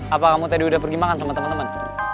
apa kamu tadi udah pergi makan sama temen temen